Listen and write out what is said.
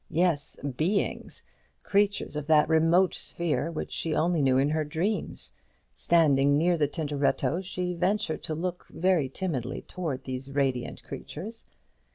Yes; Beings creatures of that remote sphere which she only knew in her dreams. Standing near the Tintoretto, she ventured to look very timidly towards these radiant creatures.